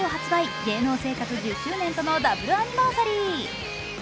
芸能生活１０周年とのダブルアニバーサリー。